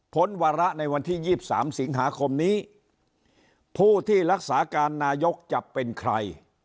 วาระในวันที่๒๓สิงหาคมนี้ผู้ที่รักษาการนายกจะเป็นใคร